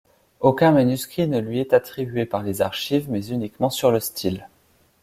Aucun manuscrit ne lui est attribué par les archives mais uniquement sur le style.